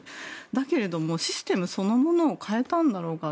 だけれども、システムそのものを変えたんだろうか。